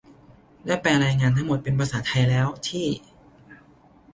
ได้แปลรายงานทั้งหมดเป็นภาษาไทยแล้ว ที่